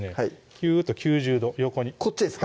キューッと９０度横にこっちですか？